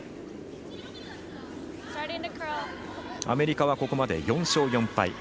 アメリカは、ここまで４勝４敗。